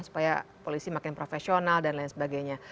supaya polisi makin profesional dan lain sebagainya